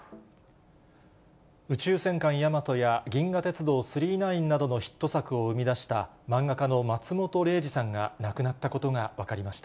宇宙戦艦ヤマトや銀河鉄道９９９などのヒット作を生み出した、漫画家の松本零士さんが亡くなったことが分かりました。